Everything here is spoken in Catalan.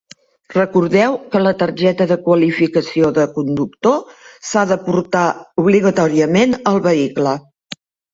Recordeu que la targeta de qualificació de conductor s'ha de portar obligatòriament al vehicle.